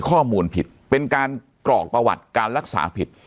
ข้อมูลผิดเป็นการกรอกประวัติการรักษาผิด